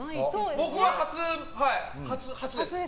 僕は初です。